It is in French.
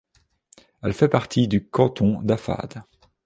Elle fait partie du canton d'Afade.